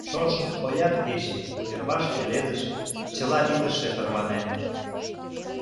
Шошым ояр кече... йырваш пеледыш... чыла илыше тарванен...